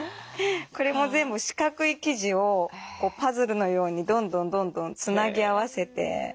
これも全部四角い生地をパズルのようにどんどんどんどんつなぎ合わせて。